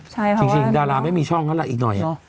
จริงดาราไม่มีช่องเท่าไรอีกหน่อย